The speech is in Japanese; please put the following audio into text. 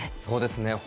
そうですね。